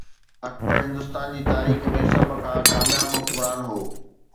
اڪبر هندستان جي تاريخ ۾ سڀ کان ڪامياب حڪمران هو.